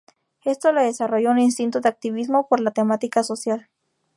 Esto le desarrolló un instinto de activismo por la temática social.